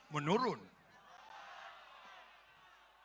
menurun dari kakek ke cucu